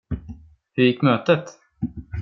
Hur gick mötet?